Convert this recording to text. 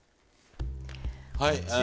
はい。